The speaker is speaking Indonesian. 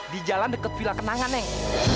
di jalan dekat villa kenangan neng